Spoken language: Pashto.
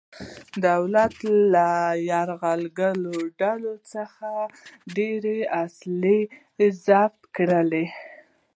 دولت له یرغلګرو ډولو څخه ډېرې اصلحې ضبط کړلې.